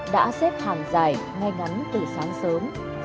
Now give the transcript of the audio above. đã xếp hàng dài ngay ngắn từ sáng sớm